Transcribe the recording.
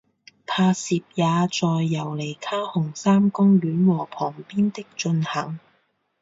拍摄也在尤里卡红杉公园和旁边的进行。